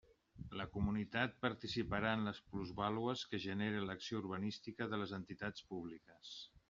La comunitat participarà en les plusvàlues que genere l'acció urbanística de les entitats públiques.